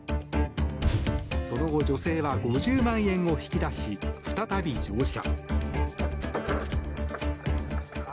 その後、女性は５０万円を引き出し再び乗車。